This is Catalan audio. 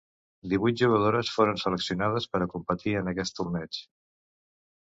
Divuit jugadores foren seleccionades per a competir en aquests torneigs.